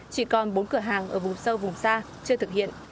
chỉ còn bốn cửa hàng ở vùng sâu vùng xa chưa thực hiện